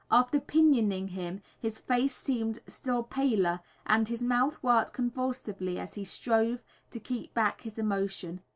After pinioning him his face seemed still paler and his mouth worked convulsively as he strove to keep back his emotion.